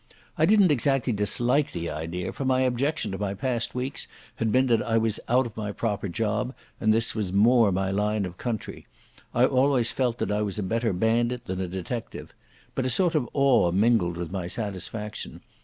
I didn't exactly dislike the idea, for my objection to my past weeks had been that I was out of my proper job, and this was more my line of country. I always felt that I was a better bandit than a detective. But a sort of awe mingled with my satisfaction.